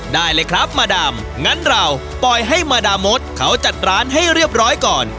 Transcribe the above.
ได้เลยครับมาดามงั้นเราปล่อยให้มาดามดเขาจัดร้านให้เรียบร้อยก่อน